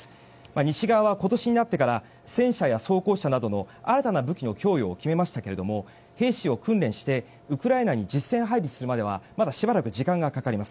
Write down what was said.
西側は今年になってから戦車や装甲車などの新たな武器の供与を決めましたが兵士を訓練してウクライナに実戦配備するまではまだしばらく時間がかかります。